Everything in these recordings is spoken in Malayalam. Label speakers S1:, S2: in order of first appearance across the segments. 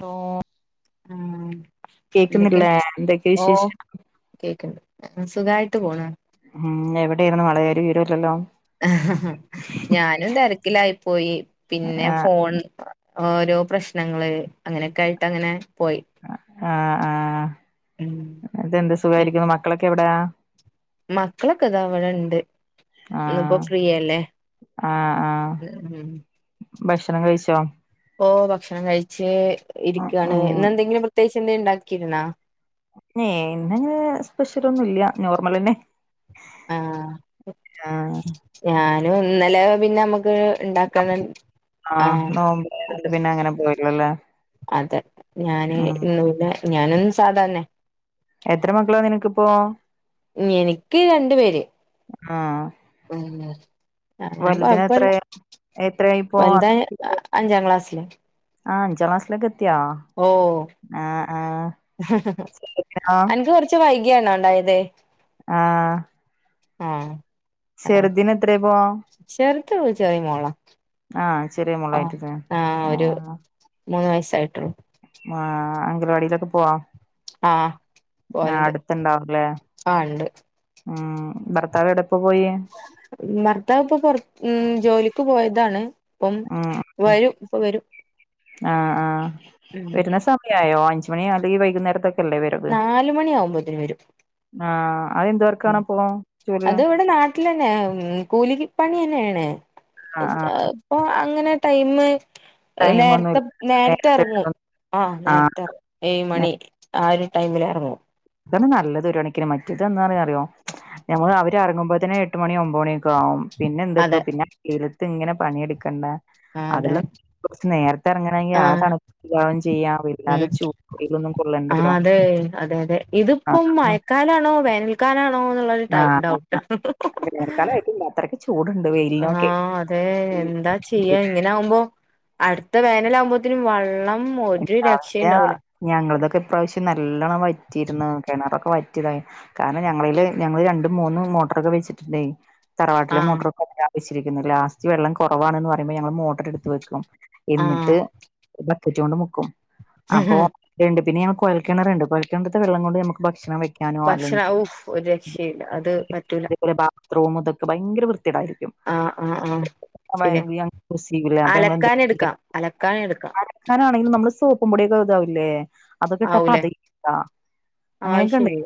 S1: ലോ
S2: ഉം എന്തൊക്കെ
S1: എന്തൊക്കെ
S2: ഓഹ്
S1: വിശേഷം
S2: കേക്ക്ണ്ട് സുഖായി ട്ട് പോണ്
S1: ഉം എവിടെയിര്ന്നു മളേ ഒരു വിവരൂല്ലല്ലോ
S2: ഞാനും തെരക്കിലായിപ്പോയി പിന്നെ
S1: ആഹ്
S2: ഫോൺ ഓരോ പ്രശ്നങ്ങള് അങ്ങനെക്കായിട്ടങ്ങനെ
S1: ആഹ് ആഹ്
S2: ഉം
S1: ഇതെന്ത് സുഖായിരിക്കുന്നു മക്കളൊക്കെവിടെ?
S2: മക്കളൊക്കെതാ അവടെണ്ട് ഇന്ന് പ്പോ
S1: ആഹ്
S2: ഫ്രീയല്ലേ
S1: ആഹ് ആഹ്
S2: ഇന്ന് ഉം
S1: ഭക്ഷണം കഴിച്ചോ?
S2: ഓഹ് ഭക്ഷണം കഴിച്ച് ഇരിക്കാണ്
S1: ഉം
S2: ഇന്നെന്തെങ്കിലും പ്രത്യേകിചെന്തേ ണ്ടാക്കിര്ന്നാ?
S1: ഏഹ് ഇന്ന് ഞ് സ്പെഷ്യലൊന്നുല്ല നോർമലെന്നെ
S2: ആഹ്
S1: ആഹ്
S2: [unintelligible] ഇന്നലെ പിന്നെ അമ്മക്ക് ഇണ്ടാക്കാനൻ ആഹ്
S1: നോമ്പായതോണ്ട് പിന്നെ അങ്ങനെ പോയില്ലല്ലേ
S2: [unintelligible] അതെ ഞാന്
S1: ഉം
S2: ഇന്ന് പിന്നെ ഞാനെന്നും സാധാര്ണെ
S1: എത്ര മക്കളാ നിനക്കിപ്പോ
S2: എനിക്ക് രണ്ട് പേര്
S1: ആഹ്
S2: [unintelligible] അങ്ങനെ
S1: വലുതിന്
S2: കൊഴപ്പല്ല
S1: എത്രേ എത്രയായിപ്പോ
S2: വലുതായാ അഞ്ചാം ക്ലാസ്സിലാ
S1: ആഹ് അഞ്ചാം ക്ലാസ്സിലൊക്കെ എത്തിയോ ആഹ് ആഹ് ചെറുതിനോ
S2: അൻക്ക് കൊറച്ച് വൈകിയാണോ ഉണ്ടായത്?
S1: ആഹ്
S2: ആഹ്
S1: ചെറ്തിന് എത്രേപ്പോ?
S2: ഇത്ര വിളിച്ചായി മോള
S1: ചെറിയ
S2: ഓ
S1: മോളായിട്ടില്ലേ
S2: ആഹ ഒരു
S1: ആഹ്
S2: മൂന്ന് വയസായിട്ടുള്ളൂ
S1: ആഹ് അംഗലവാടിലൊക്കെ പോവാ
S2: ആഹ്
S1: ആ
S2: പോവലുണ്ട്
S1: അടുത്തണ്ടാവുലെ
S2: ആഹ് ഉണ്ട്
S1: ഉം ഭർത്താവേവിടെ
S2: ഭർത്താവ് ഇപ്പൊ പുറ ഉം ജോലിക്ക് പോയതാണ് അപ്പം
S1: ഉം ഉം
S2: വരൂ ഇപ്പൊ വരും
S1: ആഹ് ആ
S2: ഉം
S1: വരുന്ന സമയായോ അഞ്ചു മണി അല്ലെങ്കിൽ വൈകുന്നേരത്തൊക്കെ
S2: നാല് മണി ആവുമ്പോത്തന് വരും
S1: ആ
S2: ഉം അത് ഇവിടെ നാട്ടിൽ തന്നെ കൂലിപ്പണി തന്നെയാണ്
S1: ആഹ് ആഹ്
S2: ഇപ്പൊ അങ്ങനെ ടൈം നേരത്തെ നേരത്തെ ഇറങ്ങും ആഹ
S1: ആഹ്
S2: നേരത്തെ ഏഴു മണി ആ ഒരു ടൈമിൽ ഇറങ്ങും
S1: അതാണ് നല്ലത് ഒരു കണക്കിന് മറ്റത് എന്താ അറിയോ ഞമ്മൾ അവര് ഇറങ്ങുമ്പോ തന്നെ എട്ട് മണി ഒമ്പത് മണി പിന്നെ എന്തു
S2: അതെ
S1: ണ്ടാവും പിന്നെ വെയിലത്ത് ഇങ്ങനെ പണിയെടുക്കണ്ട
S2: ആഹ അതെ
S1: അതിലും കുറച്ച് നേരത്തെ ഇറങ്ങണമെങ്കിൽ ആ
S2: ആഹ്
S1: തണുപ്പും ചെയ്യാ അല്ലാതെ
S2: ഉം
S1: വെയിലൊന്നും
S2: ആ
S1: കൊള്ളണ്ടല്ലോ
S2: അതെ അത അതെ ഇതിപ്പം
S1: അതാണ്
S2: മയക്കാലാണോ വേനൽക്കാലാണോ എന്നുള്ളരു ഡൗട്ട്
S1: അത്രക്ക് ചൂട്
S2: ആഹ അതെ എന്താ ചെയ്യാ ഇങ്ങനെ ആകുമ്പോ അടുത്ത വേനല് ആകുമ്പോഴേനും വെള്ളം ഒരു രക്ഷയും
S1: എ
S2: ഉണ്ടാവൂല
S1: ഞങ്ങൾതൊക്കെ പ്രാവശ്യം നല്ലോണം വറ്റിയിരുന്നു കിണറൊക്കെ വറ്റിയതായി കാരണം ഞങ്ങളില് ഞങ്ങള് രണ്ടും മൂന്നും മൊട്ടറൊക്കെ വെച്ചിട്ടുണ്ടെ തറവാട്ടില്
S2: ആഹ്
S1: മോട്ടർ ലാസ്റ്റ് വെള്ളം കുറവാ ന്ന് പറയുമ്പോ മോട്ടർ എടുത്ത് വെക്കും
S2: ആഹ്
S1: എന്നിട്ട് ബക്കറ്റ് കൊണ്ട് മുക്കും അപ്പൊണ്ട് പിന്നെ ഞ കുഴൽക്കിണർ ഉണ്ട് കൊയൽ ക്കിണറത്തെ വെള്ളം കൊണ്ട് നമുക്ക് ഭക്ഷ വെക്കാനോ
S2: ഭക്ഷണ
S1: അല്ലെങ്കിൽ
S2: ഊഫ് ഒരു രക്ഷയില്ല അത് പറ്റൂല
S1: അതെ പോലെ ബാത്ത് റൂം ഇതൊക്കെ ഭയങ്കര വൃ ത്തിയെടായിരിക്കും
S2: ആ ആഹ ആഹ ശരിയാ
S1: യൂസെയ്യൂല അപ്പൊ ഞങ്ങളെന്താ
S2: അലക്കാന് എടുക്കാം അലക്കാന് എടുക്കാം
S1: അലക്കാനാണെങ്കിലും നമ്മള് സോപ്പും പൊടിയൊക്കെ ഇതാവില്ലേ അതൊക്കെട്ട
S2: ആവൂലേ
S1: പതയില്ല
S2: ആഹ്
S1: അങ്ങനെയൊക്കെ ഉണ്ട്
S2: ശരി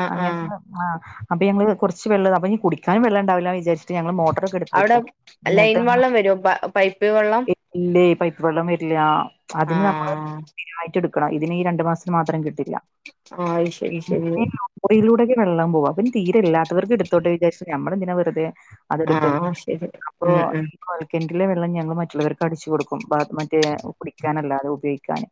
S2: ആഹ് ആഹ്
S1: അങ്ങനത്തെ ആ അപ്പൊ ഞങ്ങള് കുറച്ച് വെള്ള അപ്പം ഇനി കുടിക്കാനും വെള്ളം ഉണ്ടാവില്ല വിചാരീച്ചു മോട്ടറൊക്കെ എടുത്ത്
S2: അവിടെ
S1: വെക്കും
S2: ലൈൻ
S1: എന്നിട്ട്
S2: വെള്ളം വരോ പൈപ്പ് വെള്ളം
S1: വെള്ളം വരില്ല അതിന് നമ്മള്
S2: ആഹ്
S1: അതിനായിട്ട എടുക്കണം ഇതിന് ഈ രണ്ടു മാസത്തിന് മാത്രം കിട്ടില്ല
S2: ആഹ് ശരി ശരി
S1: പിയിലൂടെക്കെ വെള്ളം പോവൻ തീരല്ലാത്തവർക്ക് എടുത്തോട്ടെ ന്ന് വിചരിച് നമ്മള് എന്തിനാ വെറുതെ അതെടുക്ക
S2: ആഹ് ശരി
S1: അപ്പൊ
S2: ഉം ഉം
S1: വെള്ളം ഞങ്ങൾ മറ്റുള്ളവർക്ക് അടിച്ചു കൊടുക്കും മറ്റേ കുടിക്കാനല്ലാതെ ഉപയോഗിക്കാാന്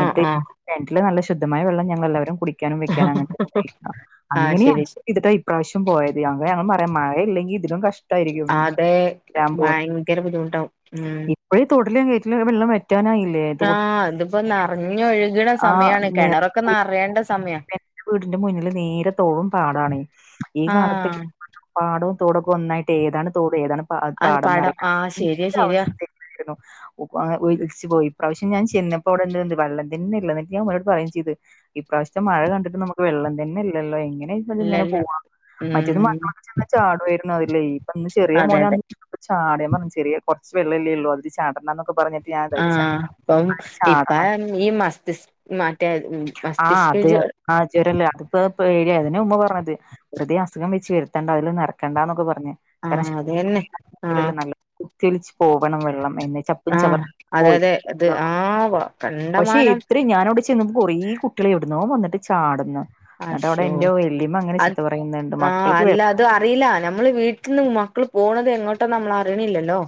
S2: ആഹ് ആഹ്
S1: കിണറ്റിലെ വെള്ളം ശുദ്ധമായ വെള്ളം ഞങ്ങൾ എല്ലാവരും കുടിക്ക
S2: [inaudible]
S1: അങ്ങനെയ
S2: ശരി ശരി
S1: ഇട്ടാ ഇപ്രാവശ്യം പോയത് അങ്ങനെ ഞങ്ങള് പറയാ മഴയില്ലെങ്കി ഇതിലും കഷ്ടമായിരിക്കും
S2: അതെ
S1: ല്ലൻ പോ
S2: ഭയങ്കര ബുദ്ധിമുട്ടാവും ഉം
S1: ഇപ്പഴ തോട്ടിലും കേറ്റിലും വെള്ളം വറ്റാനായില്ലേ
S2: ആ
S1: തോട്ടി
S2: ഇതിപ്പോ നിറഞ്ഞൊഴുകണ സമയാണ് കിണറൊക്കെ നിറയേണ്ട സമയം
S1: എന്റെ വീടിന്റെ മുന്നില് നേരെത്തോടും പാടാണ് ഈ
S2: ആഹ്
S1: കാലത്തൊക്കെ പാടവും തോടൊക്കെന്നായിട്ട് എതാണ് തോട് ഏതാണ്
S2: അത് പടം
S1: പാടന്നറിയ അ
S2: ആഹ് ശരിയാ ശരിയാ
S1: അവസ്ഥായിരുന്നു ഒലിച്ചു പോയി പ്രാവശ്യം ഞാൻ ചെന്നപ്പോ അവിടെ വെള്ളം തന്നല്ല ഞാൻ ഓനോട് പറയും ചെയ്ത് ഇപ്രാവശ്യം പക്ഷെ മഴ കണ്ടിട്ട് നമുക്ക് വെള്ളം തന്നെ ഇല്ലല്ലോ എങ്ങനെപ്പം
S2: ഇല്ല
S1: ഇതു
S2: ഇല്ല
S1: പോവാ മറ്റേത്
S2: ഉം
S1: മക്കളൊക്കെ ചെന്ന ചാടുമായിരുന്നു അയിലെ ഇപ്പൊ ഇന്ന് ചെറിയ
S2: അതെ
S1: മോനെ
S2: അതെ
S1: ചാടാ പറഞ്ഞ ചെറിയറ വെള്ളല്ലേ ഉള്ളൂ അത് ചാടണ്ടന്നൊക്കെ പറഞ്ഞിട്ട് ഞാൻ ഇതായി പക്ഷെ
S2: ആഹ് ഇപ്പം
S1: അവന് ചാടാ
S2: ഇപ്പ ഈ മസ്തിസ് മറ്റേ മസ്തിഷ്ക
S1: ത്ത്
S2: ജ്വ
S1: ആ ജൊരല്ലേ അത്പ്പ പേടിയാന്ന് ന്നെ ഉമ്മ പറഞത് വെറ്തെ അസുഖം വച്ച് വര്ത്തണ്ട അയിലൊന്നും എറക്കണ്ടാന്നൊക്കെ പറ ഞ്ഞ് കാരണം
S2: ആഹ് അതന്നെ ആഹ്
S1: [unintelligible] നല്ല കുത്തിയൊലിച്ച് പോകണം വെള്ളം. അയന്നെ ചപ്പും
S2: ആഹ്
S1: ചവറും
S2: അതെ അതെ അത്
S1: [unintelligible]
S2: ആഹ്
S1: പക്ഷെ
S2: കണ്ടമാനം
S1: എത്രിം ഞാനൗടെ ചെ റ്റെങ്ങും കൊറേ കുട്ടിയോള് എവിടുന്നോ വന്നിട്ട് ചാട്ന്ന്
S2: അശോ അത്
S1: പറയുന്നുണ്ട്
S2: ആഹ്
S1: മക്കൾക്ക് വെ
S2: അല്ല അത് അറീല നമ്മള് വീട്ട്ന്ന് മ ക്കൾ പോണത് എങ്ങോട്ടാന്നമ്മളറിണില്ലല്ലോ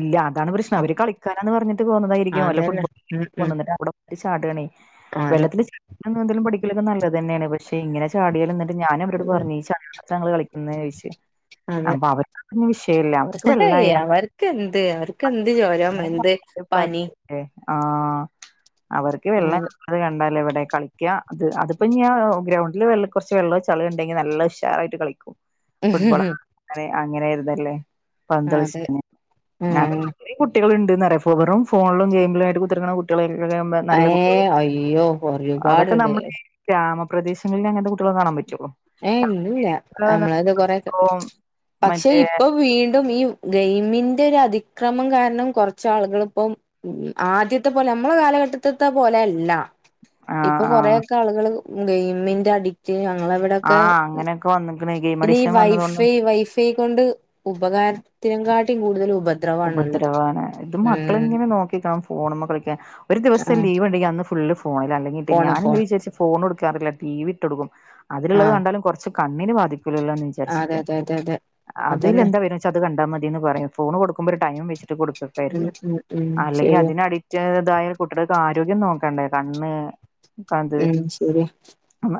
S1: ഇല്ല അതാണ് പ്രശ്നം അവര് കളിക്കാനാന്ന് പറഞ്ഞിട്ട് പോന്നതായിരിക്കും വല്ല
S2: അതന്നെ
S1: ഫുട്ബോൾ
S2: ഉം ഉം
S1: [unintelligible] അവടെ ട്ട് ചാടാണേ
S2: അതെ
S1: വെള്ളത്തില് [unintelligible] നീന്തലും പഠിക്കലൊക്കെ നല്ലതെന്നേണ് പക്ഷെ ഇങ്ങനെ ചാടിയാല് ന്നട്ട് ഞാന അവരോട്
S2: ഉം
S1: പറഞ്ഞ് ഈ ചാളിവെള്ളത്താങ്ങള് കളിക്കുന്നോയ്ച് ചോിച്ചച്ച്
S2: അതെ
S1: അപ്പൊ അവർക്ക് അതൊന്നും വിഷയേല്ല അവർക്ക് വെള്ളായാമതി
S2: അവർക്കെന്ത് അവർക്കെന്ത് ചോരം എന്ത് പനി
S1: ആ അവർക്ക് വെള്ളം
S2: ആഹ്
S1: [unintelligible] കണ്ടാല ഏവിടെ കളി അത് അതിപ്പം ഞാ ഗ്രൗണ്ടില്െ കൊറച്ച് വെള്ളം ചളി ഉണ്ടെങ്കിൽ നല്ല ഉഷാറായിട്ട് കളിക്കും
S2: [unintelligible]
S1: അങ്ങനെയൊരുതല്ലേ പന്തതുളിച്ച
S2: മ്മ്
S1: കുട്ടികളുണ്ട്ന്നറിയോ വെറും ഫോണ്ലും ഗെയിമിലും ആയിട്ട് കുത്തിര്ക്ക്ണ കുട്ട്യള് നല്ല
S2: ഏഹ് അയ്യോ
S1: അതൊക്കെ
S2: ഒരുപാടുണ്ട്
S1: നമ്മളീ ഗ്രാമം പ്രദേങ്ങളിലങ്ങൻത്തെ കുട്ടികളെ കാണാൻ പറ്റ്
S2: ഏ ഇല്ലല്ല നമ്മളൊകെ കൊറേക്കെ പക്ഷെ
S1: മറ്റേ
S2: ഇപ്പൊ വീണ്ടും ഈ ഗെയിമിന്റെ ഒരതിക്രമം കാരണം കൊർച്ചാളുകൾ ഇപ്പം ആദ്യത്തെ പോലെ നമ്മള കാല ഘട്ടത്ത്ത്തെ പോലേയല്ല
S1: ആ
S2: ഇപ്പൊ
S1: ആ
S2: കൊറേയൊക്കാളുകൾ ഗെയിമിന്റെ അഡിക്റ്റ് ഞങ്ങളവിടെ
S1: ആ അങ്ങനെയൊക്കെ വന്നിക്കണ് ഗെയിം
S2: ഇനി
S1: അഡിക്ഷൻ
S2: വൈഫൈ
S1: വന്നത് കൊണ്ട്
S2: വൈഫ് വൈഫയ് കൊണ്ട് ഉപകാരത്തിനകാട്ടിം കൂടുതല് ഉപ്
S1: ഉപദ്രവാണ് ഇത് മക്കളിങ്ങനെ നോക്കിക്കാ ഫോണിമ്മേ കളിക്കാൻ ഒരു
S2: ആ
S1: ദിവസം ലീവ് ഉണ്ടെങ്കിൽ അന്ന് ഫുള്ള് ഫോണിലാ അല്ലെങ്കിട്ട്
S2: ഫോണ്
S1: ഞാൻ
S2: ഫോൺ
S1: എന്താ വിചാരിച്ച് ഫോൺ കൊടുക്കാറില്ല ടി വി ഇട്ടൊട്ക്കും അതിലുള്ളത്
S2: ആഹ്
S1: കണ്ടാലും കൊർച്ച് കണ്ണിന് ബാധിക്കൂലല്ലോന്ന്
S2: അതെ
S1: വിചാരിച്ചിട്ട്
S2: അതെ അതെ അതെ
S1: അതിൽ
S2: അതന്നെ
S1: എന്താ വരന്നച്ചാ അത് കണ്ടാ മതീന്ന് പറയും ഫോണ് കൊടുക്കുമ്പോ ഒരു ടൈം വെച്ചിട്ട് കൊടുക്കും
S2: ഉം
S1: [unintelligible]
S2: ഉം ഉം
S1: അല്ലെങ്കി
S2: ശരിയാ
S1: അതിന ടിറ്റതായ കുട്ടികൾക്ക് ആരോഗ്യം നോക്കണ്ടെ കണ്ണ് ത്
S2: ഉം ശരിയാ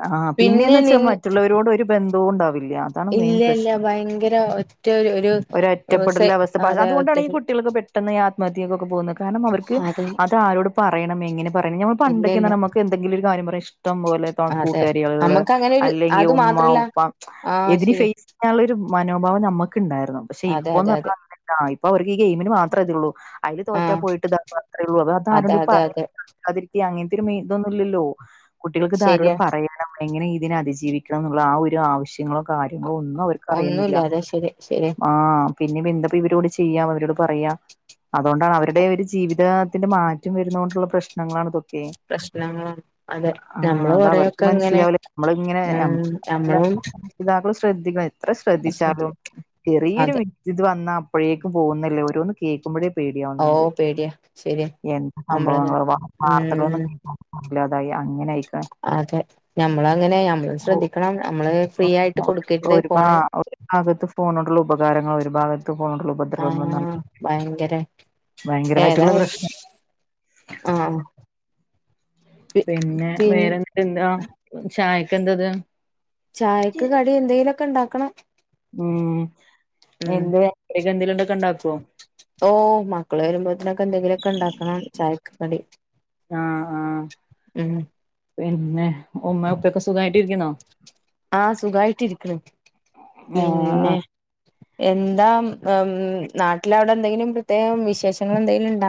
S1: ആ
S2: പിന്നെ
S1: പിന്നെയെന്ന് വെച്ചാ
S2: നിൻ
S1: മറ്റുള്ളവരോട് ഒരു ബന്ധോവും ഉണ്ടാവില്ല ഇല്ലാ അതാണ് മെയിൻ
S2: ഇല്ല ഇല്ല
S1: പ്രശ്നം
S2: ഭയങ്കര ഒറ്റ ഒരു ഒരു ഏ, സെ
S1: ഒരൊറ്റപെടലവസ്
S2: അതെ ഒറ്റ
S1: അതുകൊണ്ടാണ് ഈ കുട്ടികളൊകെ പെട്ടന്ന് ഈ ആത്മഹത്യേകൊകെ പോവുന്നെ കാരണം അവർക്
S2: അതെ
S1: അതാരോട് പറയണം എങ്ങ് ഞമ്മള്
S2: ഇല്ല ഇല്ല
S1: പണ്ടൊക്കെന്നർഞാ അമ്മകെന്തങ്കിലൊര് കാര്യം പറ്യാൻ ഇഷ്ടം പോലെ തൊൺ
S2: അതെ
S1: കൂട്ടാരികൾകള്
S2: നമ്മുക്ക് അങ്ങനെ ഒരു
S1: അല്ലെങ്കി
S2: അത്
S1: ഉമ്മ് ഉമ്മാ
S2: മാത്രല്ല
S1: ഉപ്പാ
S2: ആഹ്
S1: ഏതിനിം
S2: ശരി
S1: ഫെയ്സ് ചെയ്യാനുള്ളൊര് മനോഭാവം ഞമ്മക്ണ്ടായിരുന്നു പക്ഷെ
S2: അതെ അതെ അതെ
S1: ഇപ്പോന്നർഞാ ആ ഇപ്പൊ അവർക്ക് ഈ ഗയിമിന് മാത്രേ ഇത്ള്ളൂ അയില് തോറ്റ
S2: ആഹ്
S1: പോയിട്ട് ഇതാകു ആത്രേള്ളൂ അതാ
S2: അതെ
S1: ആരോടേലും
S2: അതെ
S1: പറയ
S2: അതെ
S1: [unintelligible] അങ്ങൻതൊര് മെയ് ഇതൊന്നുല്ലല്ലോ കുട്ടികൾക് ഇതാരോട്
S2: ശരിയാ
S1: പറയണം എങ്ങനെ ഇതിനെ അതിജീവിക്കണം ന്നുള്ള ആ ഒരു ആവശ്യങ്ങളോ കാര്യ ഒന്നും
S2: ഒന്നുല്ല
S1: അവർക്ക്റിയുന്നില്ല
S2: അതെ ശരി ശരി
S1: ആ പിന്നെ പെന്താ ഇപ്പ ഇവരോട് ചെയ്യാ അവരോട് പറയാ അതുകൊണ്ടാണ് അവരുടെ ഒരു ജീവിതത്തിന്റെ മാറ്റം വരുന്ന കൊണ്ടുള്ള പ്രശ്നങ്ങളാണ് ഇതൊക്
S2: പ്രശ്നങ്ങളാണ് അതെ
S1: ആ
S2: നമ്മള്
S1: അത അവർക്ക്
S2: കൊറെയൊക്കെ ഇങ്ങനെ
S1: മനസ്സിലാവില്ല നമ്മളിങ്ങനെ
S2: ഉം
S1: ഞമ്മള്
S2: നമ്മളും
S1: രക്ഷിതാകള് ശ്രദ്ധിക്കണം എത്ര ശ്രദ്ധിച്ചാലും ചെറിയൊരു
S2: അതെ
S1: വീഴ് ഇത് വന്നാ അപ്പോഴേക്കും പോകുന്നില്ലേ ഓരോന്ന് കേൾക്കുമ്പോഴേ
S2: ഓ
S1: പേടിയാവുന്നുണ്ട്
S2: പേടിയാ ശരിയാ
S1: എന്ത
S2: നമ്മളങ്ങനെ
S1: സംഭവങ്ങളി വാർത്തകളൊന്ന
S2: ഉം
S1: കേ അതായി അങ്ങനായിക്കാൺ
S2: അതെ ഞമ്മളങ്ങനെ ഞമ്മള് ശ്രദ്ധിക്കണം ഞമ്മള് ഫ്രീ ആയിട്ട് കൊടുക്കരുത്
S1: ഒരു ഭാ
S2: ഫോണ്
S1: ഒരു ഭാഗത്ത് ഫോണോണ്ടുള്ള ഉപകാരങ്ങൾ ഒരു ഭാഗത്
S2: ആ ഭയങ്കര ഏതാ
S1: ഭയങ്കരമായിട്ടുള്ള പ്രശ്നം
S2: ആഹ് പി
S1: പിന്നെ
S2: പിൻ
S1: വേറെ [unintelligible] എന്താ ചായക്കെന്തത്
S2: ചായക്ക് കടി എന്തെയ്‌ലൊക്കെ ഇണ്ടാക്കണം.
S1: ഉം എന്തേ [unintelligible] എന്തേലുംണ്ടൊക്കെ ഇണ്ടാക്കോ
S2: ഓഹ് മക്കള് വരുമ്പളത്തേനൊക്കെ എന്തെങ്കിലുമൊക്കെ ഇണ്ടാക്കണം ചായക്ക് കടി.
S1: ആഹ് ആഹ്
S2: ഉം
S1: പിന്നെ ഉമ്മേം ഉപ്പേക്കെ സുഖായിട്ടിരിക്കുന്നോ?
S2: ആഹ് സുഖായിട്ടിരിക്കണ് പിന്നെ
S1: ആഹ്
S2: എന്താ ഇം നാട്ടിലവിടെ എന്തെങ്കിലും പ്രത്യേകം വിശേഷങ്ങൾ എന്തേലും ഇണ്ട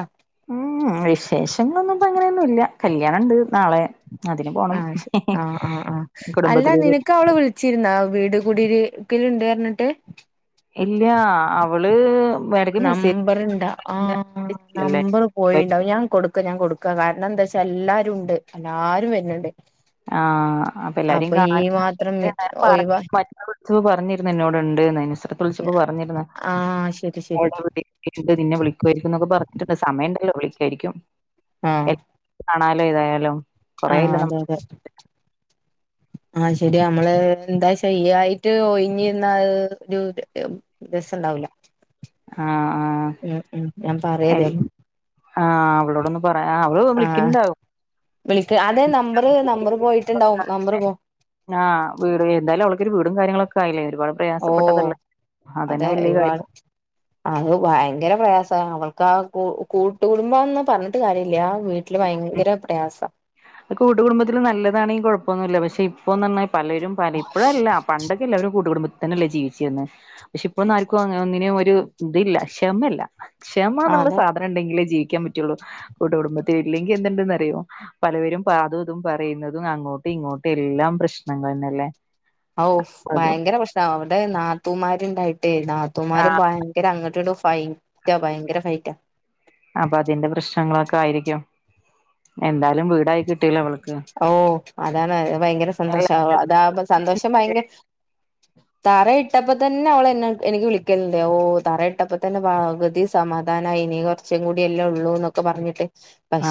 S1: ഉം വിശേഷങ്ങളൊന്നും ഇപ്പ അങ്ങനെയൊന്നും ഇല്ല കല്ല്യാണെണ്ട് നാളെ. അതിന് പോണം
S2: ആഹ് ശ ആഹ് ആഹ് ആഹ് അല്ല
S1: കുടുംബത്തിലേക്ക്
S2: നിനക്ക് അവള് വിളിച്ചിരുന്ന വീട് കൂടീരി ക്കലിണ്ട് പറഞ്ഞിട്ട്.
S1: ഇല്ലാ അവള് ഇടക്ക് മെസ്സേജ്
S2: നമ്പറിണ്ടാ ആഹ്
S1: ല്ലേ
S2: നമ്പറ് പോയിണ്ടാവും. ഞാൻ കൊടുക്കാ ഞാൻ കൊടുക്കാ കാരണം എന്താച്ച് ഇപ്പെല്ലാരും ഉണ്ട് എല്ലാരും വരുന്നെണ്ട്.
S1: ആഹ് അപ്പ എല്ലാരെയും കാണാൻ [unintelligible]
S2: ഒഴിവാ
S1: പറഞ്ഞിരുന്നെന്നോട് ഇണ്ടെന്ന്‌ നസ്രത്തു വിളിച്ചപ്പോ പറഞ്ഞിരുന്ന്
S2: ആ ശരി ശരി
S1: [unintelligible] നിന്നെ വിളിക്കുവായിരിക്കും എന്നൊക്കെ പറഞ്ഞിട്ടുണ്ട് സമയിണ്ടല്ലോ വിളിക്കുവായിരിക്കും.
S2: ആഹ്
S1: ന്നാലോ ഇതായാലും
S2: ആഹ് അതെ അതെ ആഹ് അത് ശെരിയാ നമ്മള് ഏഹ് എന്താ ശരിയായിട്ട് ഒഴിഞ്ഞീന്നാ അത് ഒരു രസം എണ്ടാവൂല്ല
S1: ആ ആ
S2: ഉം ഉം ഞാൻ പറയാ ഇതേപോ
S1: ആഹ് അവളോടൊന്ന് പറയാ ആഹ് അവള് വിളി‌ക്കിണ്ടാവും.
S2: വിളിക്ക് അതെ നമ്പറ് നമ്പറ് പോയിട്ടുണ്ടാവും നമ്പറ് പോ
S1: ആഹ് വീട് എന്തായാലും അവള് ഒരു വീടും കാര്യങ്ങളൊക്കെ ആയില്ലെ
S2: ഓഹ് അതേ
S1: വലിയ കാര്യം
S2: ഒരുപാട്. അത് ഭയങ്കര പ്രയാസാ ണ് അവൾക്കാ കൂ കൂട്ട് കുടുംബംന്ന് പറഞ്ഞിട്ട് കാര്യമില്ല വീട്ടില് ഭയങ്കര പ്രയാസ
S1: കൂട്ട് കുടുംബത്തില് നല്ലതാണെങ്കി കൊഴപ്പോന്നുല്ല പക്ഷെ ഇപ്പൊ എന്ന് പറഞ്ഞാൽ പലരും പറി ഇപ്പഴല്ല പണ്ടൊക്കെല്ലെ അവര് കൂട്ടുകുടുംമ്പത് തന്നല്ലേ ജീവിച്ചിരിന്ന പക്ഷെ ഇപ്പോഴന്നും ആർക്കും അങ്ങനെ ഒന്നിനും ഒരു ഇതില്ല ക്ഷമല്ല ക്ഷമ
S2: ആഹ്
S1: ന്ന്ള്ള
S2: അതെ
S1: സാധനം ഇണ്ടെങ്കിലേ ജീവിക്കാൻ പറ്റുള്ളൂ കൂട്ടുകുടുംബത്തില് ഇല്ലെങ്കി എന്ത്ണ്ട്ന്നറിയോ പലവരും പാത് തും പറയുന്നതും അങ്ങോട്ട് ഇങ്ങോട്ട് എല്ലാം പ്രശ്നങ്ങൾന്നല്ലേ
S2: ഔഫ് ഭയങ്കര പ്രശ്നാ അവിടെ നാത്തൂമാര്ണ്ടായിട്ട് ട്ടേ
S1: ആ
S2: നാത്തൂമ്മാരും ഭയങ്കര അങ്ങട്ട്ടും ഫൈറ്റാ ഭയങ്കര ഫൈറ്റാ
S1: അപ്പഅതിന്റെ പ്രശ്നങ്ങളൊക്കെ ആയിരിക്കും എന്തായാലും വീടായി കിട്ടിയല്ലോ അവൾക്ക്
S2: ഓഹ് അതാണ് ഭയങ്കര
S1: അല്ല
S2: സന്തോഷാ അതാവസ് സന്തോഷം ഭയങ്ക തറയിട്ടപ്പോ തന്നെ അവളന്നെ എനിക്ക് വിളിക്കല്ണ്ട് ഓഹ് തറയിട്ടപ്പോതന്നെ പകുതി സമാ മാധാനായിനി ഇനി കുറച്ചും കൂട്യല്ലെ ഉള്ളൂ ന്നൊക്കെ പറഞ്ഞിട്ട്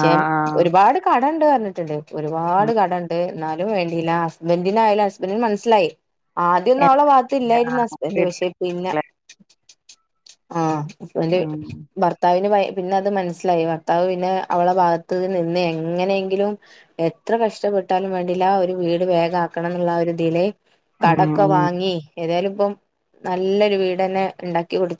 S1: ആ ആ
S2: ഒരുപാട് കടംണ്ട് പറഞ്ഞു ട്ട്ണ്ട് ഒരുപാട്
S1: ഉം
S2: കടംണ്ട് എന്നാലും വേണ്ടിയില്ല ഹസ്ബൻഡ്നായാലും ഹസ്ബൻറിന് മനസ്സിലായി ആദ്യഒന്നും
S1: എ-
S2: അവളെ ഭാത്ത്
S1: ആ,
S2: ഇല്ലേയിരുന്നു ഹസ്ബന്റ്
S1: വീട്ടിലല്ലേ.
S2: പക്ഷെ പിന്നെ ആഹ് ഹസ്ബന്റ്
S1: ഉം
S2: ഭർത്താവിന്റെ വയ്- പിന്നെ അത് മനസ്സിലായി ഭർത്താവ് പിന്നെ അവളെ ഭാഗത്ത് നിന്ന് എങ്ങനെയെങ്കിലും എത്ര കഷ്ടപ്പെട്ടാലും വേണ്ടില്ല ഒരു വീട് വേഗാക്കണം ന്ന്ള്ള ആ ഇതീല്
S1: ഉം
S2: കടൊക്കെ
S1: ഉം.
S2: വാങ്ങി ഏതായാലും ഇപ്പം നല്ലൊരു വീട് തന്നെ ഇണ്ടാക്കി കൊടുത്തു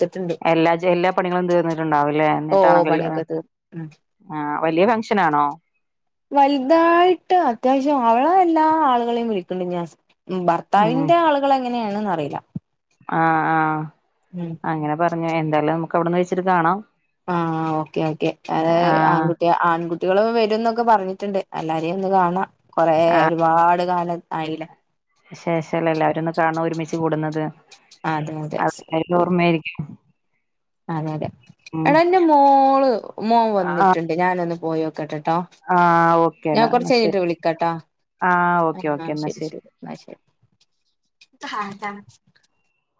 S1: എല്ലാ ജെല്ലാ പണികളും തീർന്നിട്ടുണ്ടാവുംല്ലേ
S2: ഓ
S1: എന്നിട്ടാണെങ്കില്
S2: പണിയൊക്കെ തീർന്നു ഉം
S1: ആഹ് വലിയ ഫങ്ഷനാണോ
S2: വൽതായിട്ട് അത്യാവശ്യം അവളെ എല്ലാ ആള്കളെയും വിളിക്ക്ണ്ട് ന്യാസ് ഉം
S1: ഉം
S2: ഭർത്താവിന്റെ ആള്കൾ എങ്ങനെയാണെന്ന് അറിയില്ല
S1: ആഹ് ആഹ്
S2: ഉം
S1: അങ്ങനെ പറഞ്ഞ് എന്തായാലും നമുക്ക് അവിടന്ന് വെച്ചിട്ട് കാണാം
S2: ആഹ്ഓക്കെ ഓക്കെ അഅ്
S1: ആഹ്
S2: ആൺകുട്ടി ആൺകുട്ട് ൺകുട്ടികളും വരും ന്നൊക്കെ പറഞ്ഞിട്ട്ണ്ട് എല്ലാരെയും ഒന്ന് കാണാം കൊറേ ഒരുപാട് കാലത് ആയില്ലേ
S1: ശേഷല്ലേ എല്ലാരൊന്ന് കാണാ ഒരുമിച്ച് കൂടുന്നത്.
S2: അതെ അതെ
S1: അതിന്റെ ഓർമയാരിക്കും
S2: അതെ യതെ എടാ ഇൻ്റെ മോള് മോൻ
S1: ആഹ്
S2: വന്ന്ട്ട്ണ്ട് ഞാനൊന്ന് പോയോക്കെട്ടെ ട്ടോ
S1: ആഹ്
S2: ഞാ
S1: ഓക്കേടാ എന്നാ ശരി
S2: കൊർച്ചയ്ഞ്ഞിട്ട് വിളിക്കാട്ടാ
S1: ആഹ് ഓക്കേ ഓക്കേ എന്നാ
S2: ശരി
S1: ശെരി
S2: ശരി എന്നാ [unintelligible]